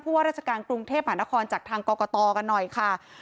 พรกอคจากทางกกก